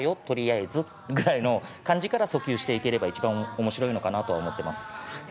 とりあえずぐらいの感じからそきゅうしていければ一番おもしろいのかなとは思ってます。